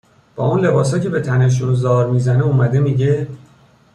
با اون لباسا که به تنشون زار می زنه، اومده می گه